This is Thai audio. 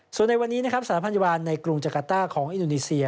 ส่วนในวันนี้สรรพันธ์ยาวาลในกรุงจังกต้าของอินุนิเซีย